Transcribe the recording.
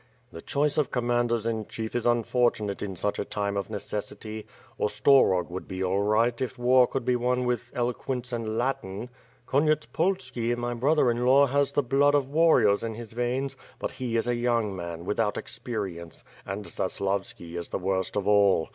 "The choice of commanders in chief is unfortunate in such a time of necessity. Ostorog would be all right if war could be won with eloquence and Latin. Konyetspolski, my brother in law, has the blood of warriors in his veins, but he is a young man, without experience, and Zaslavski is the worst of all.